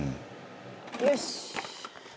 よし！